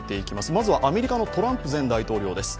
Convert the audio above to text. まずはアメリカのトランプ前大統領です。